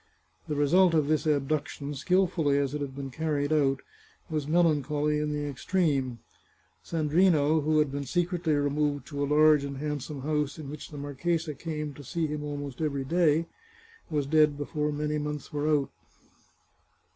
The result of this abduction, skilfully as it had been car ried out, was melancholy in the extreme. Sandrino, who had been secretly removed to a large and handsome house in 533 The Chartreuse of Parma which the marchesa came to see him almost every day, was dead before many months were out.